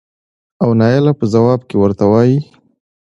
او نايله په ځواب کې ورته وايې